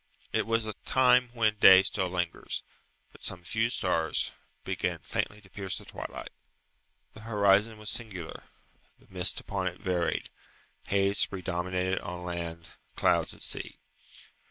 It was the time when day still lingers, but some few stars begin faintly to pierce the twilight. The horizon was singular. The mist upon it varied. Haze predominated on land, clouds at sea.